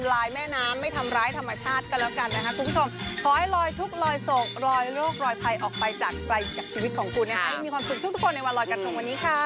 ลอยกระทงบุญจะส่งให้ร้อง